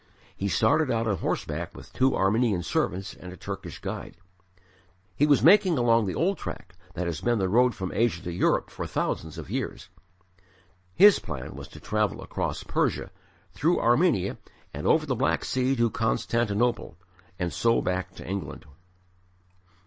He started out on horseback with two Armenian servants and a Turkish guide. He was making along the old track that has been the road from Asia to Europe for thousands of years. His plan was to travel across Persia, through Armenia and over the Black Sea to Constantinople, and so back to England.